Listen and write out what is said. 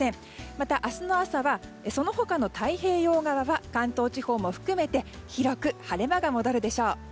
また明日の朝はその他の太平洋側は関東地方も含めて広く晴れ間が戻るでしょう。